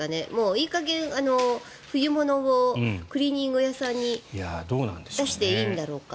いい加減、冬物をクリーニング屋さんに出していいんだろうか。